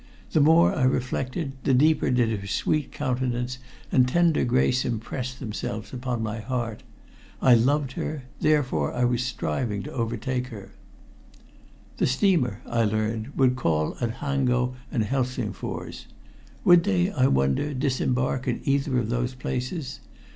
The more I reflected, the deeper did her sweet countenance and tender grace impress themselves upon my heart. I loved her, therefore I was striving to overtake her. The steamer, I learned, would call at Hango and Helsingfors. Would they, I wonder, disembark at either of those places?